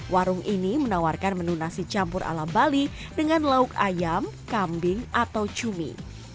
warung ini menawarkan menu nasi campur ala bali dengan lauk ayam kambing atau cumi